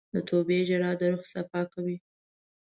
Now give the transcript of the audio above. د توبې ژړا د روح صفا کوي.